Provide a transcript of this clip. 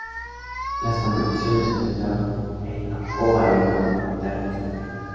Las competiciones se realizaron en la O Arena de la capital británica.